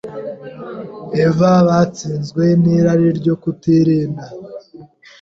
Eva batsinzwe n’irari ryo kutirinda